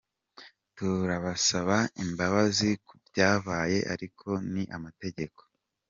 Turabasaba imbabazi kubyabaye ariko ni amategeko.